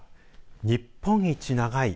日本一長い？